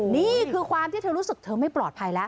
นี่คือความที่เธอรู้สึกเธอไม่ปลอดภัยแล้ว